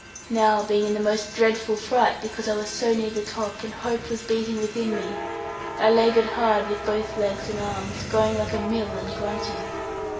Now being in the most dreadful fright, because I was so near the top, and hope was beating within me, I laboured hard with both legs and arms, going like a mill and grunting.